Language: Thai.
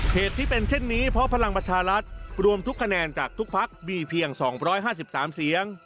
เหตุที่เป็นเช่นนี้เพราะพลังประชารัฐรวมทุกคะแนนจากทุกพักมีเพียง๒๕๓เสียง